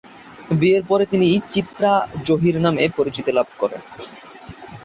বিয়ের পরে তিনি চিত্রা জহির নামে পরিচিতি লাভ করেন।